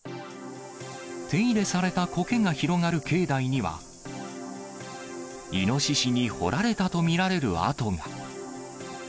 手入れされたこけが広がる境内には、イノシシに掘られたと見られる跡が。